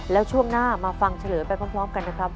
แล้วช่วงหน้ามาฟังเฉลยไปพร้อมกันนะครับ